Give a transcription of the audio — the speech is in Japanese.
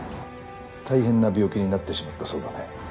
大変な病気になってしまったそうだね。